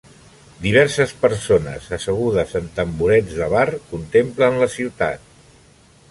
Diverses persones assegudes en tamborets de bar contemplen la ciutat.